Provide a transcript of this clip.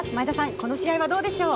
この試合はどうでしょう？